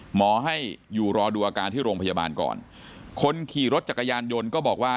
หมอให้อยู่รอดูอาการที่โรงพยาบาลก่อนคนขี่รถจักรยานยนต์ก็บอกว่า